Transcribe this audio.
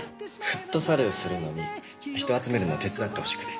フットサルするのに人集めるの手伝ってほしくて。